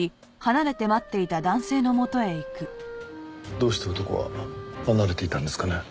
どうして男は離れていたんですかね？